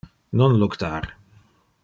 Non luctar.